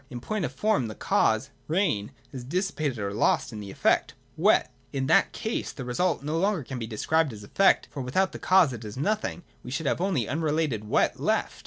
In point of form the cause (rain) is dissipa.ted or lost in the effect (wet) : but in that case the result can no longer be described as effect ; for without the cause it is nothing, and we should have only the unrelated wet left.